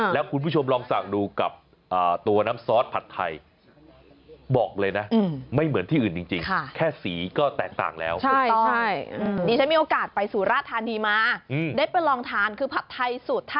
แล้วคุณผู้ชมลองสั่งดูกับตัวน้ำซอสผัดไทย